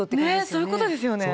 そういうことですよね。